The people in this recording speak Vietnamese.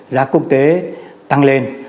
giá quốc tế tăng lên